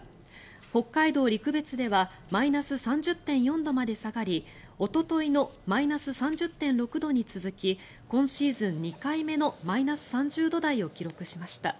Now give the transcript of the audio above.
北海道陸別ではマイナス３０．４度まで下がりおとといのマイナス３０．６度に続き今シーズン２回目のマイナス３０度台を記録しました。